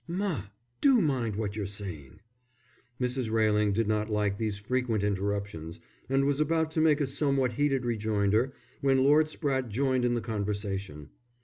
"Ma, do mind what you're saying." Mrs. Railing did not like these frequent interruptions, and was about to make a somewhat heated rejoinder, when Lord Spratte joined in the conversation.